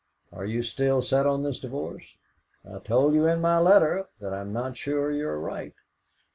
"Are you still set on this divorce? I told you in my letter that I am not sure you are right."